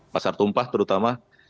pasar tumpah terutama